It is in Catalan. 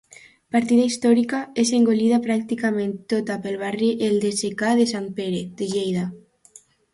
Partida històrica, és engolida pràcticament tota pel barri d'El Secà de Sant Pere, de Lleida.